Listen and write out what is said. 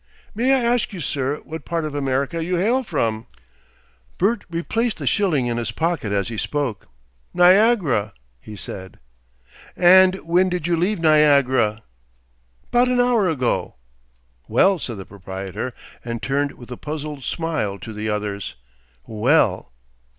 May I ask you, sir, what part of America you hail from?" Bert replaced the shilling in his pocket as he spoke, "Niagara," he said. "And when did you leave Niagara?" "'Bout an hour ago." "Well," said the proprietor, and turned with a puzzled smile to the others. "Well!"